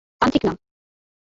তান্ত্রিক না।